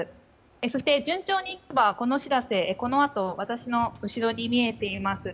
そして、順調にいけばこの「しらせ」私の後ろに見えています